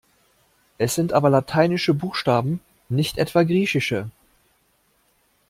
Es sind aber lateinische Buchstaben, nicht etwa griechische.